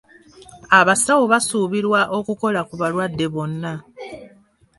Abasawo basuubirwa okukola ku balwadde bonna.